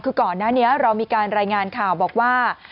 คือก่อนหน้านี้เรามีการรายงานข่าวบอกว่า